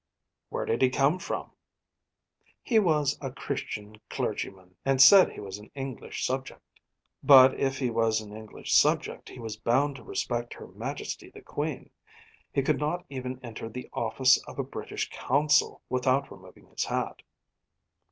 'Where did he come from?' 'He was a Christian clergyman, and said he was an English subject.' 'But if he was an English subject, he was bound to respect Her Majesty the Queen. He could not even enter the office of a British consul without removing his hat.'